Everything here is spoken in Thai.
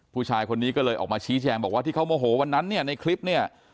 ผู้ชายคนนี้ก็เลยออกมาชี้แจงบอกว่าที่เขาโมโหวันนั้นเนี่ยในคลิปเนี่ย